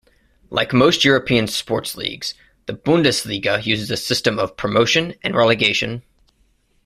Like most European sports leagues, the Bundesliga uses a system of promotion and relegation.